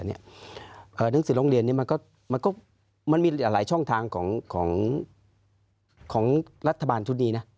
เรื่องร้องเรียนมันก็มีหลายช่องทางของรัฐบาลชุดนี้